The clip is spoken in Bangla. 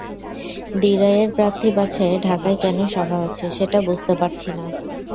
দিরাইয়ের প্রার্থী বাছাইয়ে ঢাকায় কেন সভা হচ্ছে, সেটা বুঝতে পারছি না।